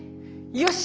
よし！